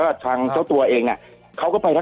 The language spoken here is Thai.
คุณติเล่าเรื่องนี้ให้ฮะ